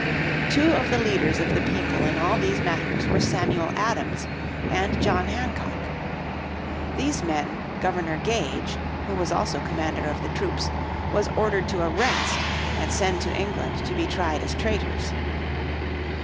Two of the leaders of the people in all these matters were Samuel Adams and John Hancock. These men Governor Gage, who was also commander of the troops, was ordered to arrest and send to England to be tried as traitors.